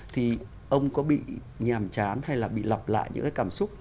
thì ông có bị nhàm chán hay là bị lọc lại những cái cảm xúc